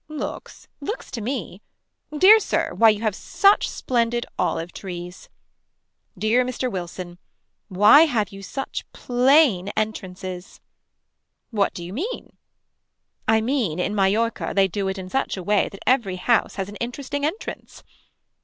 Looks. Looks to me. Dear Sir. Why have you such splendid olive trees. Dear Mr. Wilson. Why have you such plain entrances. What do you mean. I mean in Mallorca they do it in such a way that every house has an interesting entrance.